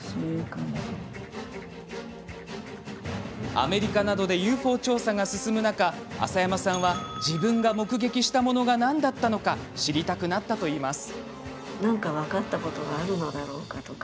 アメリカなどでＵＦＯ調査が進む中浅山さんは自分が目撃したものが何だったのか知りたくなったといいます。